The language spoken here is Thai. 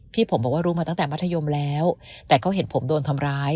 พี่ผมบอกว่ารู้มาตั้งแต่มัธยมแล้วแต่ก็เห็นผมโดนทำร้าย